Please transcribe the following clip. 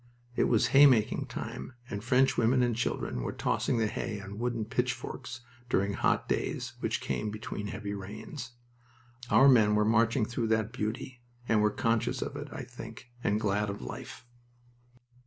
It was haymaking time and French women and children were tossing the hay on wooden pitchforks during hot days which came between heavy rains. Our men were marching through that beauty, and were conscious of it, I think, and glad of life.